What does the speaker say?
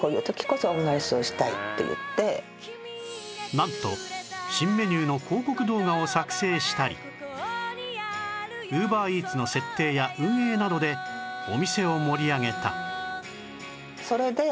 なんと新メニューの広告動画を作成したり ＵｂｅｒＥａｔｓ の設定や運営などでお店を盛り上げた